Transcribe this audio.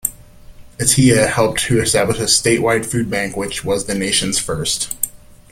Atiyeh helped to establish a statewide food bank, which was the nation's first.